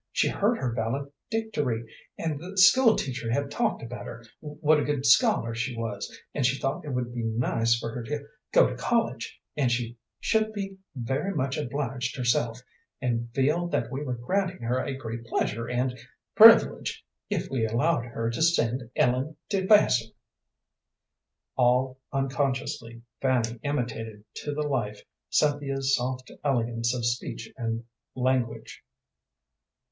She heard her valedictory, and the school teacher had talked about her, what a good scholar she was, and she thought it would be nice for her to go to college, and she should be very much obliged herself, and feel that we were granting her a great pleasure and privilege if we allowed her to send Ellen to Vassar." All unconsciously Fanny imitated to the life Cynthia's soft elegance of speech and language.